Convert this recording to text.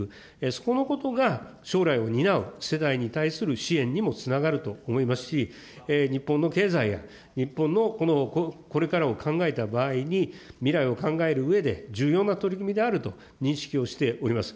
そこのことが将来を担う世代に対する支援にもつながると思いますし、日本の経済や、日本のこれからを考えた場合に、未来を考えるうえで重要な取り組みであると、認識をしております。